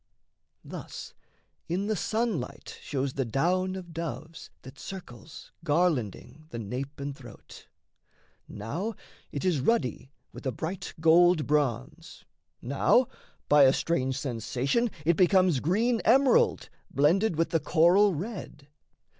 Thus in the sunlight shows the down of doves That circles, garlanding, the nape and throat: Now it is ruddy with a bright gold bronze, Now, by a strange sensation it becomes Green emerald blended with the coral red.